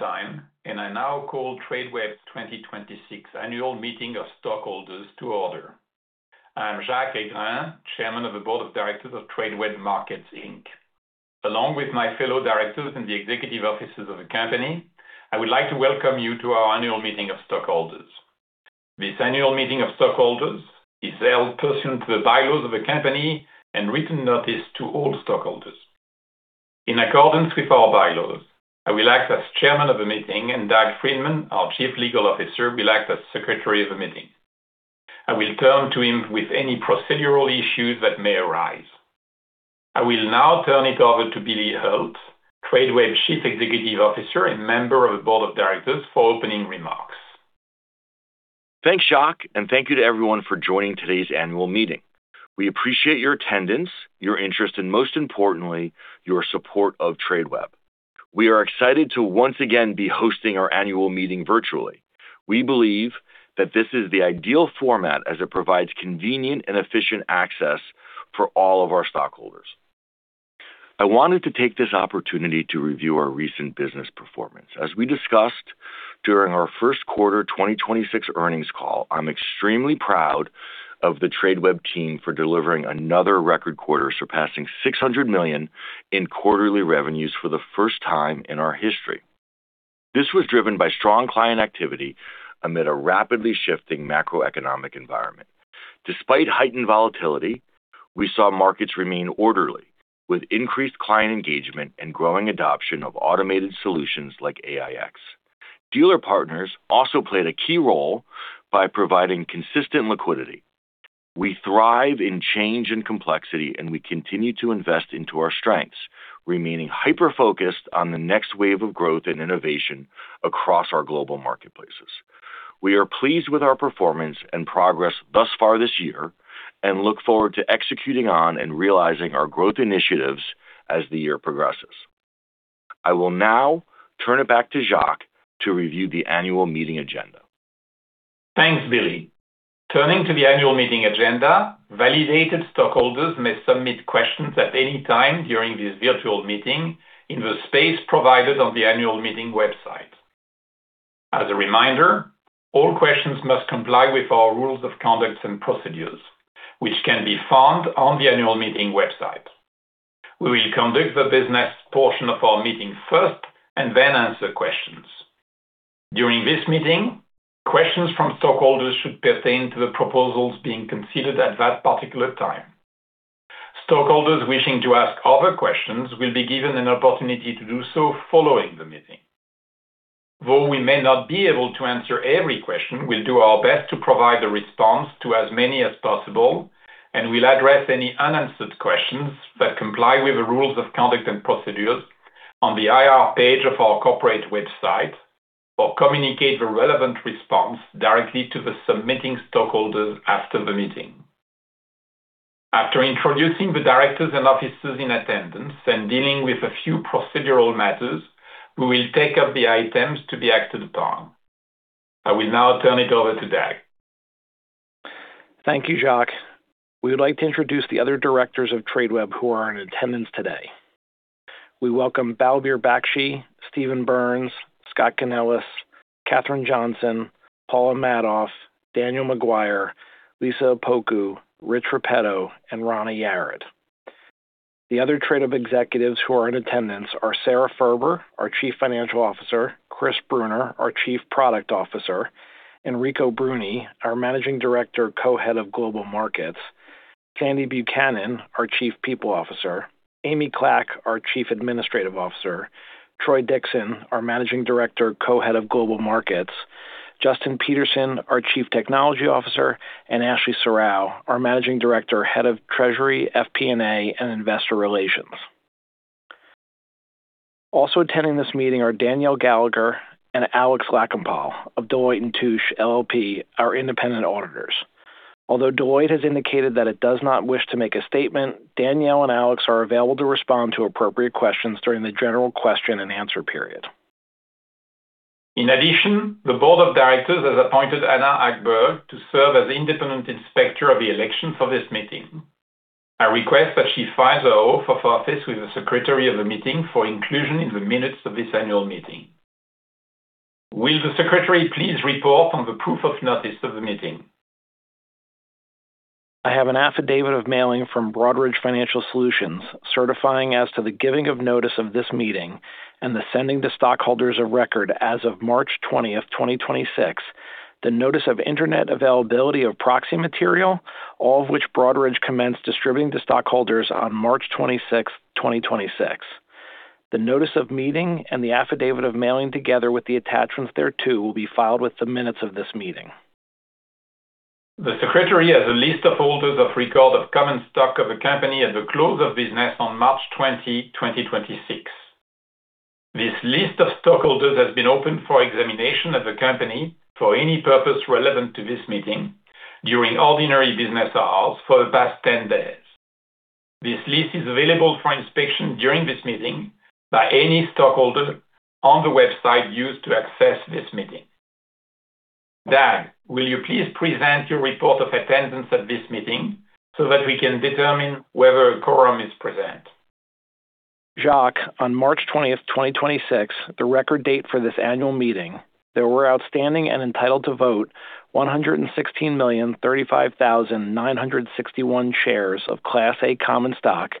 Time. I now call Tradeweb 2026 Annual Meeting of Stockholders to order. I'm Jacques Aigrain, Chairman of the Board of Directors of Tradeweb Markets Inc. Along with my fellow directors and the executive officers of the company, I would like to welcome you to our Annual Meeting of Stockholders. This Annual Meeting of Stockholders is held pursuant to the bylaws of the company and written notice to all stockholders. In accordance with our bylaws, I will act as Chairman of the meeting, and Doug Friedman, our Chief Legal Officer, will act as Secretary of the meeting. I will turn to him with any procedural issues that may arise. I will now turn it over to Billy Hult, Tradeweb Chief Executive Officer and Member of the Board of Directors, for opening remarks. Thanks, Jacques. Thank you to everyone for joining today's Annual Meeting. We appreciate your attendance, your interest, and most importantly, your support of Tradeweb. We are excited to once again be hosting our Annual Meeting virtually. We believe that this is the ideal format as it provides convenient and efficient access for all of our stockholders. I wanted to take this opportunity to review our recent business performance. As we discussed during our first quarter 2026 earnings call, I'm extremely proud of the Tradeweb team for delivering another record quarter, surpassing $600 million in quarterly revenues for the first time in our history. This was driven by strong client activity amid a rapidly shifting macroeconomic environment. Despite heightened volatility, we saw markets remain orderly, with increased client engagement and growing adoption of automated solutions like AiEX. Dealer partners also played a key role by providing consistent liquidity. We thrive in change and complexity. We continue to invest into our strengths, remaining hyper-focused on the next wave of growth and innovation across our global marketplaces. We are pleased with our performance and progress thus far this year. We look forward to executing on and realizing our growth initiatives as the year progresses. I will now turn it back to Jacques to review the Annual Meeting agenda. Thanks, Billy. Turning to the Annual Meeting agenda, validated stockholders may submit questions at any time during this virtual meeting in the space provided on the Annual Meeting website. As a reminder, all questions must comply with our rules of conduct and procedures, which can be found on the Annual Meeting website. We will conduct the business portion of our meeting first and then answer questions. During this meeting, questions from stockholders should pertain to the proposals being considered at that particular time. Stockholders wishing to ask other questions will be given an opportunity to do so following the meeting. We may not be able to answer every question, we'll do our best to provide a response to as many as possible, and we'll address any unanswered questions that comply with the rules of conduct and procedures on the IR page of our Corporate website or communicate the relevant response directly to the submitting stockholders after the meeting. After introducing the Directors and officers in attendance and dealing with a few procedural matters, we will take up the items to be acted upon. I will now turn it over to Doug. Thank you, Jacques. We would like to introduce the other Directors of Tradeweb who are in attendance today. We welcome Balbir Bakhshi, Steven Berns, Scott Ganeles, Catherine Johnson, Paula Madoff, Daniel Maguire, Lisa Opoku, Rich Repetto, and Rana Yared. The other Tradeweb executives who are in attendance are Sara Furber, our Chief Financial Officer, Chris Bruner, our Chief Product Officer, Enrico Bruni, our Managing Director, Co-Head of Global Markets, Candy Buchanan, our Chief People Officer, Amy Clack, our Chief Administrative Officer, Troy Dixon, our Managing Director, Co-Head of Global Markets, Justin Peterson, our Chief Technology Officer, and Ashley N. Serrao, our Managing Director, Head of Treasury, FP&A, and Investor Relations. Also attending this meeting are Danielle Gallagher and Alex Lakhanpal of Deloitte & Touche LLP, our independent auditors. Although Deloitte has indicated that it does not wish to make a statement, Danielle and Alex are available to respond to appropriate questions during the general question-and-answer period. In addition, the Board of Directors has appointed Anna Ackberg to serve as independent inspector of the election for this meeting. I request that she files her oath of office with the secretary of the meeting for inclusion in the minutes of this Annual Meeting. Will the secretary please report on the proof of notice of the meeting? I have an affidavit of mailing from Broadridge Financial Solutions certifying as to the giving of notice of this meeting and the sending to stockholders of record as of March 20, 2026, the notice of Internet availability of proxy material, all of which Broadridge commenced distributing to stockholders on March 26, 2026. The notice of meeting and the affidavit of mailing together with the attachments thereto will be filed with the minutes of this meeting. The secretary has a list of holders of record of common stock of the company at the close of business on March 20, 2026. This list of stockholders has been open for examination of the company for any purpose relevant to this meeting during ordinary business hours for the past 10 days. This list is available for inspection during this meeting by any stockholder on the website used to access this meeting. Doug, will you please present your report of attendance at this meeting so that we can determine whether a quorum is present? Jacques, on March 20th, 2026, the record date for this Annual Meeting, there were outstanding and entitled to vote 116,035,961 shares of Class A common stock,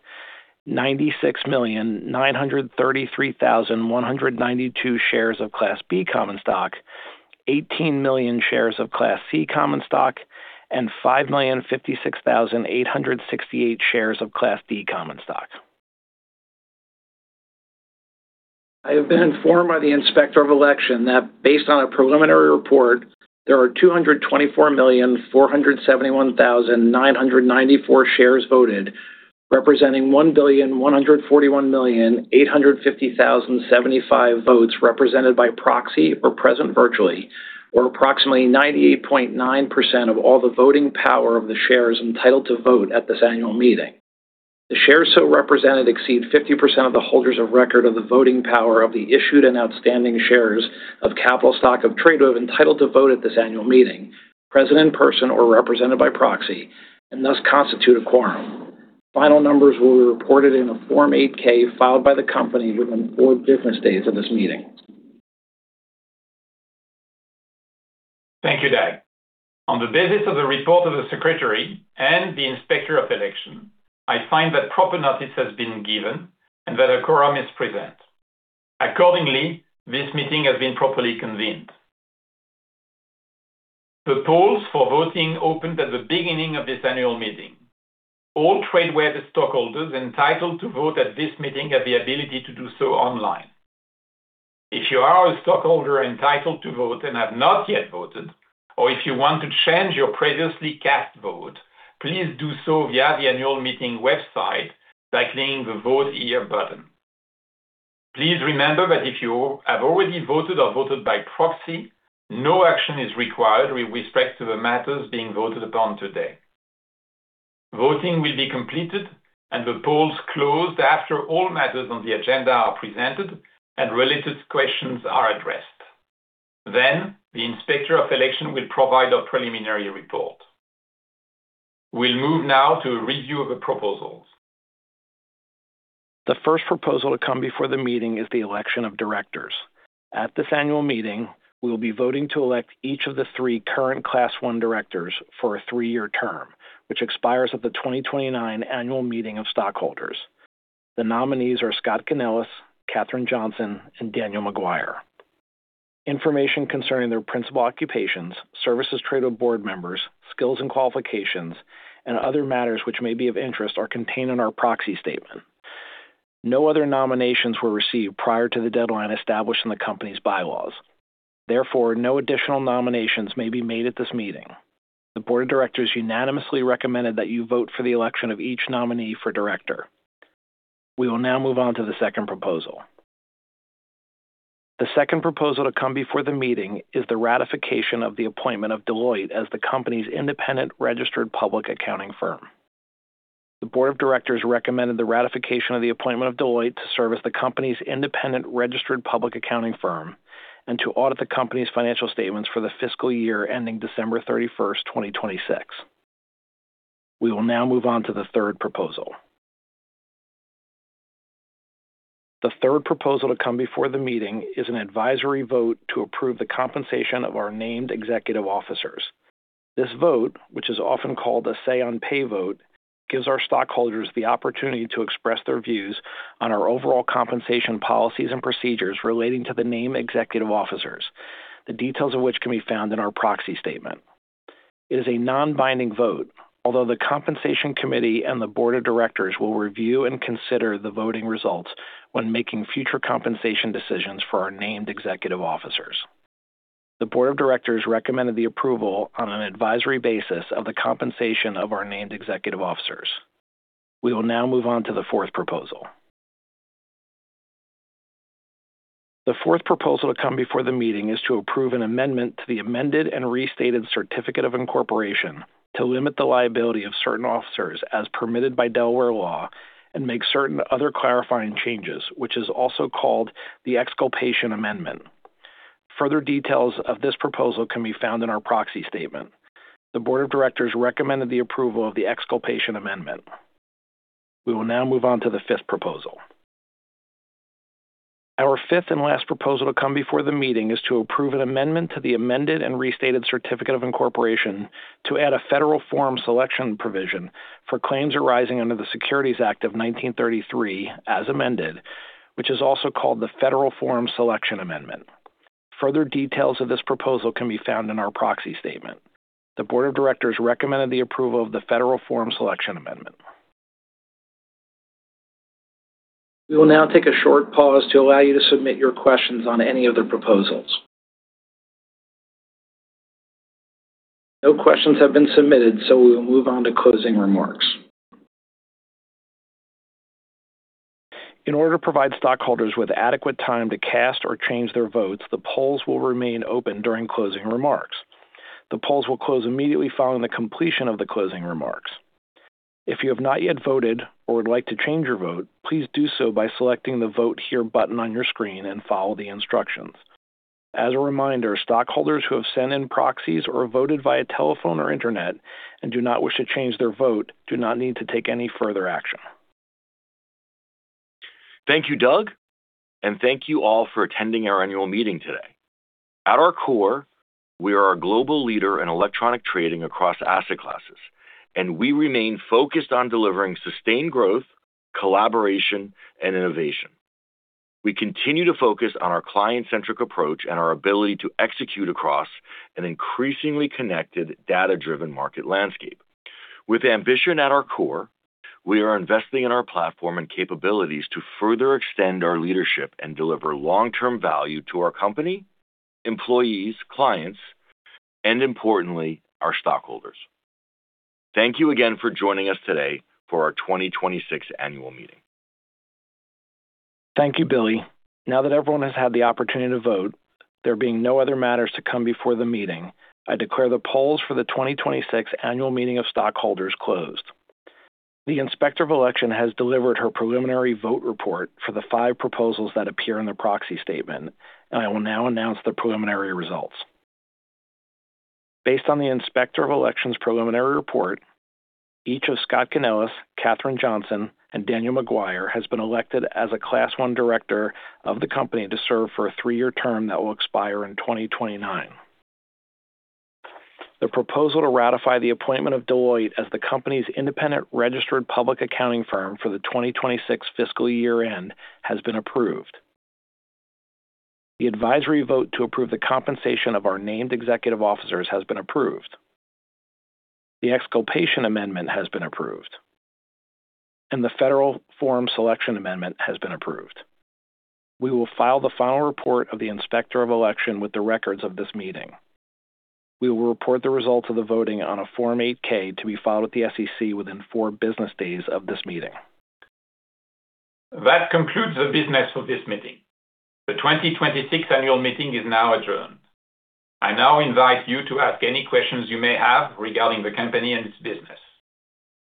96,933,192 shares of Class B common stock, 18,000,000 shares of Class C common stock, and 5,056,868 shares of Class D common stock. I have been informed by the Inspector of Election that based on a preliminary report, there are 224,471,994 shares voted, representing 1,141,850,075 votes represented by proxy or present virtually or approximately 98.9% of all the voting power of the shares entitled to vote at this annual meeting. The shares so represented exceed 50% of the holders of record of the voting power of the issued and outstanding shares of capital stock of Tradeweb entitled to vote at this annual meeting, present in person or represented by proxy, and thus constitute a quorum. Final numbers will be reported in a Form 8-K filed by the company within four business days of this meeting. Thank you, Doug. On the basis of the report of the Secretary and the Inspector of Election, I find that proper notice has been given and that a quorum is present. Accordingly, this meeting has been properly convened. The polls for voting opened at the beginning of this annual meeting. All Tradeweb stockholders entitled to vote at this meeting have the ability to do so online. If you are a stockholder entitled to vote and have not yet voted, or if you want to change your previously cast vote, please do so via the annual meeting website by clicking the Vote Here button. Please remember that if you have already voted or voted by proxy, no action is required with respect to the matters being voted upon today. Voting will be completed and the polls closed after all matters on the agenda are presented and related questions are addressed. The Inspector of Election will provide a preliminary report. We'll move now to a review of the proposals. The first proposal to come before the meeting is the election of Directors. At this Annual Meeting, we will be voting to elect each of the three current Class 1 Directors for a three-year term, which expires at the 2029 Annual Meeting of Stockholders. The nominees are Scott Ganeles, Catherine Johnson, and Daniel Maguire. Information concerning their principal occupations, services Tradeweb Board Members, skills and qualifications, and other matters which may be of interest are contained in our proxy statement. No other nominations were received prior to the deadline established in the company's bylaws. Therefore, no additional nominations may be made at this meeting. The Board of Directors unanimously recommended that you vote for the election of each nominee for Director. We will now move on to the second proposal. The second proposal to come before the meeting is the ratification of the appointment of Deloitte as the company's independent registered public accounting firm. The Board of Directors recommended the ratification of the appointment of Deloitte to serve as the company's independent registered public accounting firm and to audit the company's financial statements for the fiscal year ending December 31st, 2026. We will now move on to the third proposal. The third proposal to come before the meeting is an advisory vote to approve the compensation of our named Executive officers. This vote, which is often called a say-on-pay vote, gives our stockholders the opportunity to express their views on our overall compensation policies and procedures relating to the named Executive officers. The details of which can be found in our proxy statement. It is a non-binding vote, although the compensation committee and the Board of Directors will review and consider the voting results when making future compensation decisions for our named executive officers. The Board of Directors recommended the approval on an advisory basis of the compensation of our named executive officers. We will now move on to the fourth proposal. The fourth proposal to come before the meeting is to approve an amendment to the amended and restated certificate of incorporation to limit the liability of certain officers as permitted by Delaware law and make certain other clarifying changes, which is also called the Exculpation Amendment. Further details of this proposal can be found in our proxy statement. The Board of Directors recommended the approval of the Exculpation Amendment. We will now move on to the fifth proposal. Our fifth and last proposal to come before the meeting is to approve an amendment to the amended and restated certificate of incorporation to add a Federal Forum Selection Provision for claims arising under the Securities Act of 1933, as amended, which is also called the Federal Forum Selection Amendment. Further details of this proposal can be found in our proxy statement. The Board of Directors recommended the approval of the Federal Forum Selection Amendment. We will now take a short pause to allow you to submit your questions on any of the proposals. No questions have been submitted. We will move on to closing remarks. In order to provide stockholders with adequate time to cast or change their votes, the polls will remain open during closing remarks. The polls will close immediately following the completion of the closing remarks. If you have not yet voted or would like to change your vote, please do so by selecting the Vote Here button on your screen and follow the instructions. As a reminder, stockholders who have sent in proxies or voted via telephone or internet and do not wish to change their vote do not need to take any further action. Thank you, Doug, and thank you all for attending our Annual Meeting today. At our core, we are a global leader in electronic trading across asset classes, and we remain focused on delivering sustained growth, collaboration, and innovation. We continue to focus on our client-centric approach and our ability to execute across an increasingly connected, data-driven market landscape. With ambition at our core, we are investing in our platform and capabilities to further extend our leadership and deliver long-term value to our company, employees, clients, and importantly, our stockholders. Thank you again for joining us today for our 2026 Annual Meeting. Thank you, Billy. Now that everyone has had the opportunity to vote, there being no other matters to come before the meeting, I declare the polls for the 2026 Annual Meeting of Stockholders closed. The Inspector of Election has delivered her preliminary vote report for the five proposals that appear in the proxy statement. I will now announce the preliminary results. Based on the Inspector of Elections preliminary report, each of Scott Ganeles, Catherine Johnson, and Daniel Maguire has been elected as a Class 1 Director of the company to serve for a three-year term that will expire in 2029. The proposal to ratify the appointment of Deloitte as the company's independent registered public accounting firm for the 2026 fiscal year-end has been approved. The advisory vote to approve the compensation of our named Executive officers has been approved. The Exculpation Amendment has been approved, and the Federal Forum Selection Amendment has been approved. We will file the final report of the Inspector of Election with the records of this meeting. We will report the results of the voting on a Form 8-K to be filed with the SEC within four business days of this meeting. That concludes the business of this meeting. The 2026 Annual Meeting is now adjourned. I now invite you to ask any questions you may have regarding the company and its business.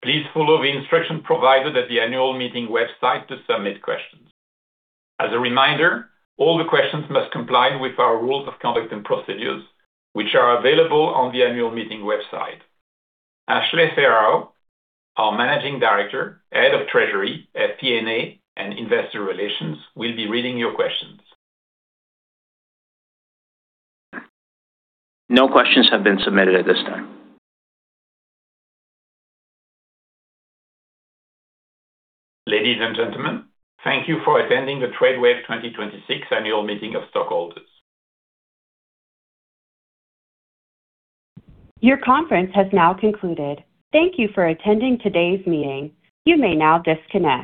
Please follow the instructions provided at the annual meeting website to submit questions. As a reminder, all the questions must comply with our rules of conduct and procedures, which are available on the annual meeting website. Ashley Serrao, our Managing Director, Head of Treasury at FP&A and Investor Relations, will be reading your questions. No questions have been submitted at this time. Ladies and gentlemen, thank you for attending the Tradeweb 2026 Annual Meeting of Stockholders. Your conference has now concluded. Thank you for attending today's meeting. You may now disconnect.